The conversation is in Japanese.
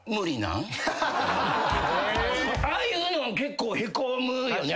ああいうのん結構へこむよね。